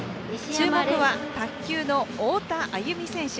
注目は卓球の太田歩美選手。